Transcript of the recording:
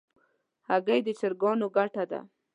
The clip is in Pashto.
هګۍ د چرګانو ګټه ده.